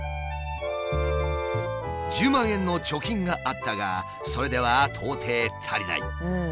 １０万円の貯金があったがそれでは到底足りない。